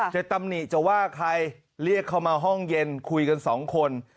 ตำหนิจะว่าใครเรียกเขามาห้องเย็นคุยกันสองคน